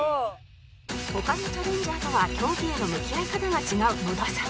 他のチャレンジャーとは競技への向き合い方が違う野田さん